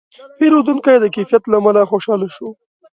پیرودونکی د کیفیت له امله خوشاله شو.